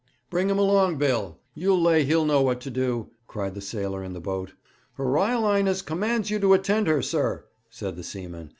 'Bring him along, Bill. You lay he'll know what to do!' cried the sailor in the boat. 'Her Ryle 'Ighness commands you to attend her, sir,' said the seaman.